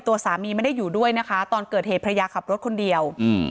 ตัวสามีไม่ได้อยู่ด้วยนะคะตอนเกิดเหตุภรรยาขับรถคนเดียวอืม